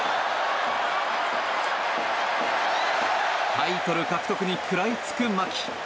タイトル獲得に食らいつく牧。